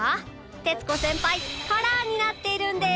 徹子先輩カラーになっているんです